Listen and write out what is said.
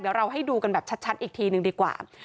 เดี๋ยวเราให้ดูกันแบบชัดอีกทีหนึ่งดีกว่า